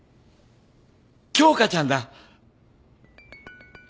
京花ちゃんだ。